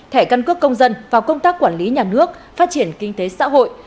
thẻ căn cước công dân vào công tác quản lý nhà nước phát triển kinh tế xã hội